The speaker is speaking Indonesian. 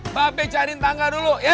mba pe cariin tangga dulu ya